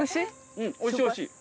うんおいしいおいしい。